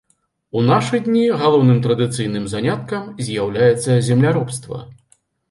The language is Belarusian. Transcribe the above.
У нашы дні галоўным традыцыйным заняткам з'яўляецца земляробства.